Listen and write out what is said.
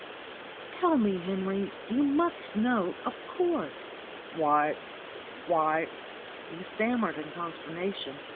Tell me, Henry. You must know, of course." "Why why," he stammered in consternation.